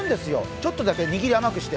ちょっとだけ握りを甘くして。